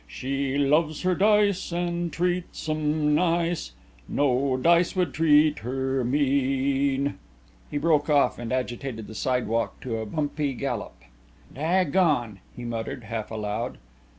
She loves her dice and treats 'em nice; No dice would treat her mean._" He broke off and agitated the sidewalk to a bumpy gallop. "Daggone!" he muttered, half aloud.